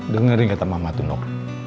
dengar nih kata mama tuh nuk